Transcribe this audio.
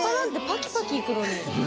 パキパキいくのに。